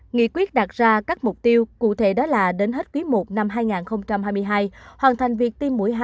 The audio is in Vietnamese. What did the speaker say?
nghị quyết đặt ra các mục tiêu cụ thể đó là đến hết quý i năm hai nghìn hai mươi hai hoàn thành việc tiêm mũi hai